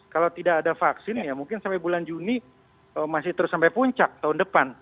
kalau tidak ada vaksin ya mungkin sampai bulan juni masih terus sampai puncak tahun depan